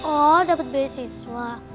oh dapet banyak siswa